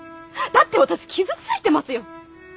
だって私傷ついてますよ。